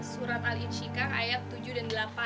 surat al ijhika ayat tujuh dan delapan